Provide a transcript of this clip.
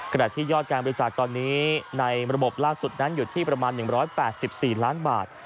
ขณะที่ยอดการบริจาคตอนนี้ในระบบล่าสุดนั้นอยู่ที่ประมาณ๑๘๔ล้านบาท